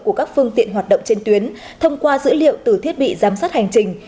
của các phương tiện hoạt động trên tuyến thông qua dữ liệu từ thiết bị giám sát hành trình